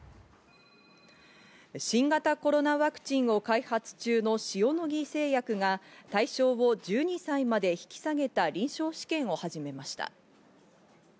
新型コロナワクチンを開発中の塩野義製薬が、対象を１２歳まで引き下げた臨床試験を始めました。